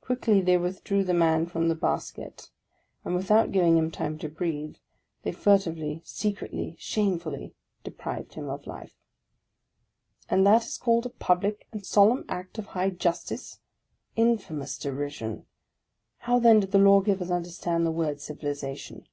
Quickly they withdrew the man from the basket ; and without giving him time to breathe, they furtively, secretly, shamefully deprived him of life ! And that is called a public and solemn act of high justice! Infamous derision! How then do the lawgivers understand the word civilization?